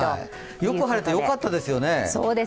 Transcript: よく晴れてよかったですよね。